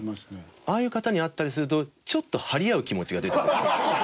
ああいう方に会ったりするとちょっと張り合う気持ちが出てくる。